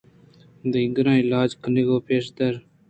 دگراں علاج کنگ ءَ پیش تِر